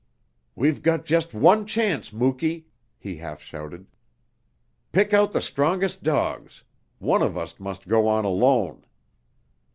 "We've got just one chance, Muky!" he half shouted. "Pick out the strongest dogs. One of us must go on alone!"